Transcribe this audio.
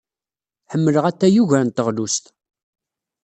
Ḥemmleɣ atay ugar n teɣlust.